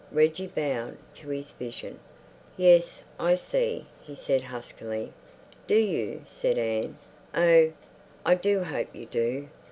Reggie bowed to his vision. "Yes, I see," he said huskily. "Do you?" said Anne. "Oh, I do hope you do.